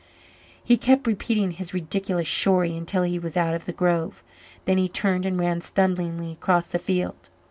He kept repeating his ridiculous "shorry" until he was out of the grove. Then he turned and ran stumblingly across the field.